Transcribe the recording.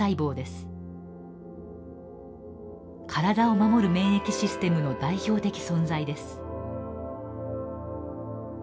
体を守る免疫システムの代表的存在です。